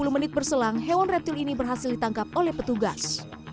sepuluh menit berselang hewan reptil ini berhasil ditangkap oleh petugas